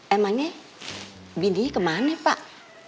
emangnya bininya kemana pak